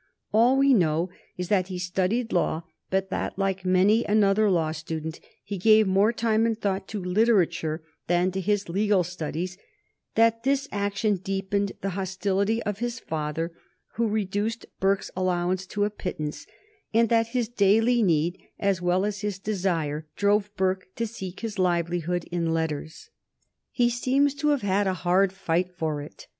All we know is that he studied law, but that, like many another law student, he gave more time and thought to literature than to his legal studies; that this action deepened the hostility of his father, who reduced Burke's allowance to a pittance, and that his daily need as well as his desire drove Burke to seek his livelihood in letters. [Sidenote: 1759 The work of Edmund Burke] He seems to have had a hard fight for it.